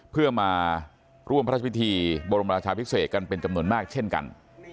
เพื่อมาร่วมพระราชพิธีบรมราชาพิเศษกันเป็นจำนวนมากเช่นกัน